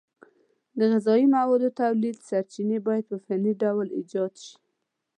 د غذایي موادو تولید سرچینې باید په فني ډول ایجاد شي.